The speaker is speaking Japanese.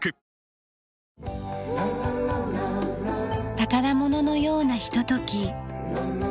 宝物のようなひととき。